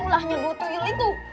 ulahnya dua tuyul itu